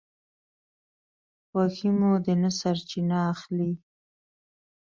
خوښي مو ده نه سرچینه اخلي